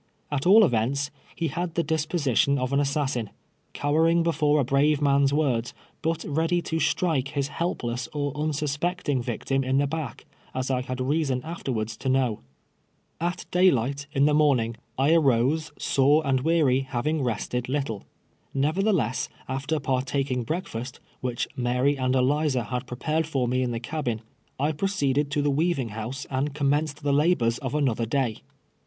At all events, lie had the disposition of an assassin — cowering before a brave man's words, but ready to strike his helpless or unsuspecting victim in the back, as I had reason af terwards to know. cnAPiN's ^vi'rEAE.v:s^cE. 125 At cl;i_vli^ ht in tlic morning, I arose, sore and wea ry, having rested little. Xeverthelcss, after partaking breakfast, wliieli ]Mary and Eliza had prepared for me in the cabin, I proceeded to the "weaving house and commenced the labors of another day.